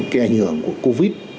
cái ảnh hưởng của covid